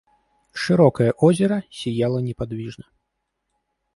Широкое озеро сияло неподвижно.